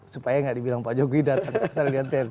supaya nggak dibilang pak jokowi datang